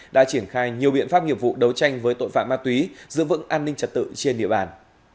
đã triển khai nhiều biện pháp nghiệp vụ đấu tranh với tội phạm ma túy giữ vững an ninh trật tự trên địa bàn